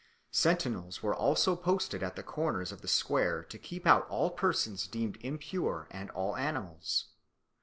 Sentinels were also posted at the corners of the square to keep out all persons deemed impure and all animals.